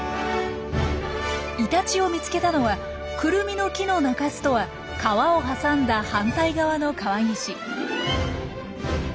イタチを見つけたのはクルミの木の中州とは川を挟んだ反対側の川岸。